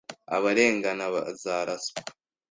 Abarengana bazaraswa.